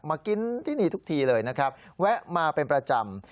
มากินที่นี่ทุกทีเลยนะครับแวะมาเป็นประจำ